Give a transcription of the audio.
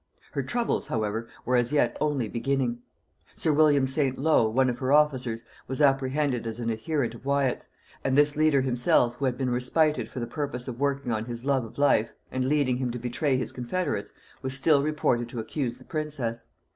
Her troubles, however, were as yet only beginning. Sir William St. Low, one of her officers, was apprehended as an adherent of Wyat's; and this leader himself, who had been respited for the purpose of working on his love of life, and leading him to betray his confederates, was still reported to accuse the princess.